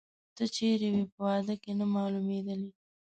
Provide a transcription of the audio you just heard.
ته چیري وې، په واده کې نه مالومېدلې؟